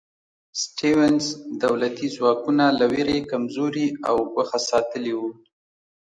سټیونز دولتي ځواکونه له وېرې کمزوري او ګوښه ساتلي وو.